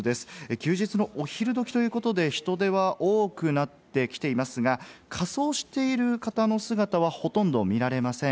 休日のお昼時ということで人出は多くなってきていますが、仮装している方の姿はほとんど見られません。